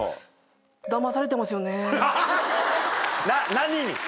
何に？